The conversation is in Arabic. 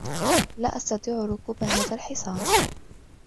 لا أستطيع ركوب هذا الحصان.